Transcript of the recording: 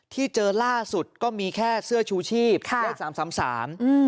ที่เจอล่าสุดก็มีแค่เสื้อชูชีพค่ะเลขสามสามสามอืม